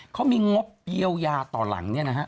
เขามีงบเยียวยาต่อหลังเนี่ยนะฮะ